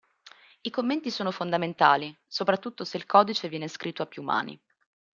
I commenti sono fondamentali, soprattutto se il codice viene scritto a più mani.